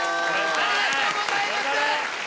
ありがとうございます！